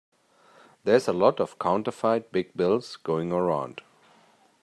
There's a lot of counterfeit big bills going around.